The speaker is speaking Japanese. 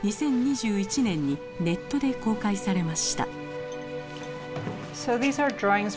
２０２１年にネットで公開されました。